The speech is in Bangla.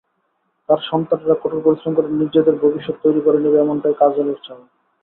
তার সন্তানেরা কঠোর পরিশ্রম করে নিজেদের ভবিষ্যৎ তৈরি করে নেবে—এমনটাই কাজলের চাওয়া।